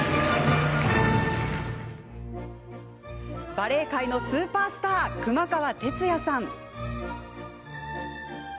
バレエ界のスーパースター熊川哲也さん。